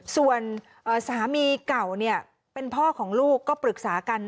ส่วนสามีเก่าเป็นพ่อของลูกก็ปรึกษากัน